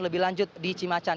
lebih lanjut di cimacan